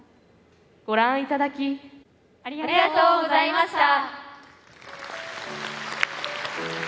ご覧いただきありがとうございました。